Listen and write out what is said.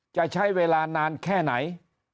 จะใช้เวลานานแค่ไหน